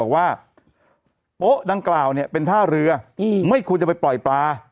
บอกว่าโป๊ะดังกล่าวเนี่ยเป็นท่าเรือไม่ควรจะไปปล่อยปลา